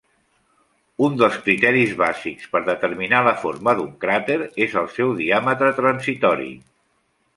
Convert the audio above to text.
Un dels criteris bàsics per determinar la forma d'un cràter és el seu diàmetre transitori.